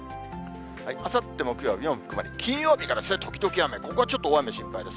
あさって木曜日は曇り、金曜日からですね、時々雨、ここはちょっと大雨心配です。